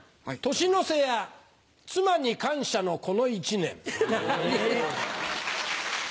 年の瀬や妻に感謝のこの一年。